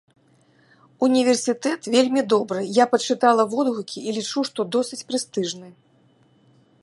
Універсітэт вельмі добры, я пачытала водгукі, і лічу, што досыць прэстыжны.